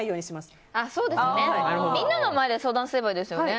みんなの前で相談すればいいですよね。